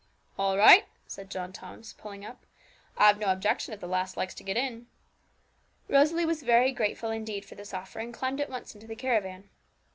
'All right,' said John Thomas, pulling up; 'I've no objections, if the lass likes to get in.' Rosalie was very grateful indeed for this offer, and climbed at once into the caravan.